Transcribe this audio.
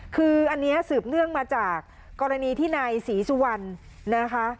คืออันนี้สืบเนื่องมาจากกรณีที่นายศรีสุวรรณนะคะ